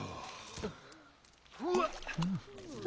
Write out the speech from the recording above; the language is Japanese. うわっ。